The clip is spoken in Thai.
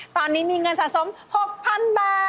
ตอนนี้มีเงินสะสม๖๐๐๐บาท